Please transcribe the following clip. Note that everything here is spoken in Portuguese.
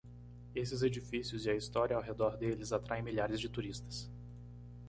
Esses edifícios e a história ao redor deles atraem milhares de turistas.